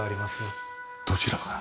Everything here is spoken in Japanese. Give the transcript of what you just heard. どちらから？